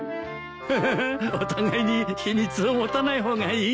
フフフお互いに秘密を持たない方がいいね。